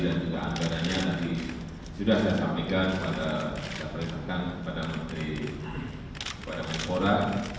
dan juga anggaranya nanti sudah saya samingkan pada saya perhatikan kepada menteri kepada pemora